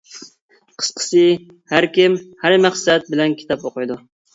قىسقىسى، ھەر كىم ھەر مەقسەت بىلەن كىتاب ئوقۇيدۇ.